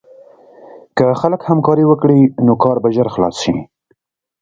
که خلک همکاري وکړي، نو کار به ژر خلاص شي.